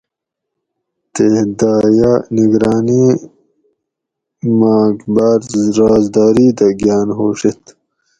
تے دایہ نگرانی ماگ باۤر رازداری دہ گھاۤن ہوڛیت